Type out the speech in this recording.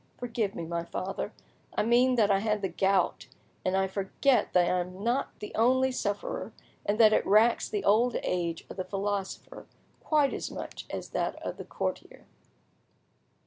—Forgive me, my father; I mean that I had the gout, and I forgot that I am not the only sufferer, and that it racks the old age of the philosopher quite as much as that of the courtier."